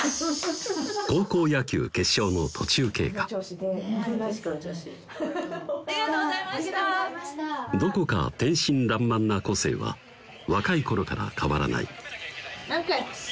高校野球決勝の途中経過ありがとうございましたありがとうございましたどこか天真らんまんな個性は若い頃から変わらない何回？